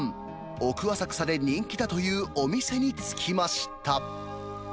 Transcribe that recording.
奥浅草で人気だというお店に着きました。